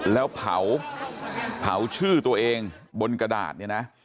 แล้วเผาชื่อตัวเองบนกระดาษเนี่ยนะ